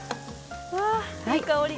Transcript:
わあいい香り！